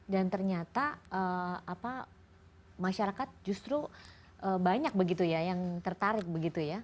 dan ternyata apa masyarakat justru banyak begitu ya yang tertarik begitu ya